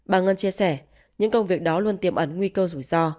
bà ngân chia sẻ những công việc đó luôn tiềm ẩn nguy cơ rủi ro